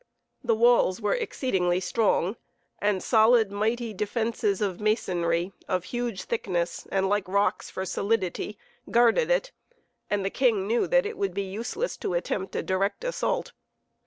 The walls were exceedingly strong and solid, mighty defenses of masonry, of huge thickness and like rocks for solidity, guarded it, and the king knew that it would be useless to attempt a direct assault.